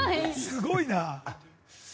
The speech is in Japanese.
すごいなぁ。